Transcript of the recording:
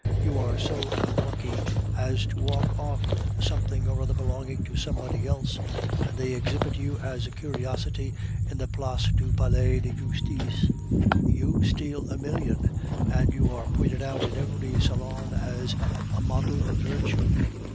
You are so unlucky as to walk off with something or other belonging to somebody else, and they exhibit you as a curiosity in the Place du Palais de Justice; you steal a million, and you are pointed out in every salon as a model of virtue.